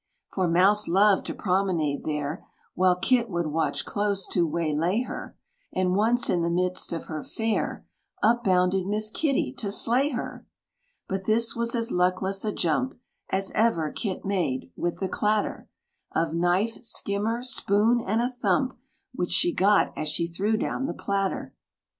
For Mouse loved to promenade there, While Kit would watch close to waylay her; And once, in the midst of her fare, Up bounded Miss Kitty to slay her! But this was as luckless a jump As ever Kit made, with the clatter Of knife, skimmer, spoon, and a thump, Which she got, as she threw down the platter.